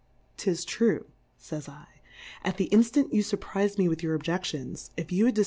'Tis true, fays /, at the Inftant you furpriz'd me with your Objections, if you had dif.